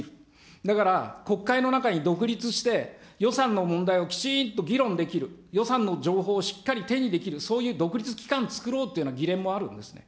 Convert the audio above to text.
だから、国会の中に独立して予算の問題をきちんと議論できる、予算の情報をしっかり手にできる、そういう独立機関を作ろうという議連もあるんですね。